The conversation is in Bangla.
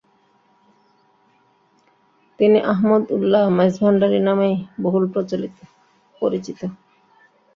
তিনি আহমদ উল্লাহ মাইজভান্ডারী নামেই বহুল পরিচিত।